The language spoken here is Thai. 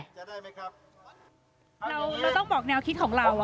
เราต้องบอกแนวคิดของเราว่าค่ะ